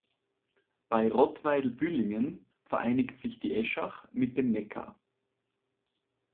Bei Rottweil-Bühlingen vereinigt sich die Eschach mit dem Neckar.